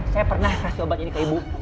saya pernah kasih obat ini ke ibu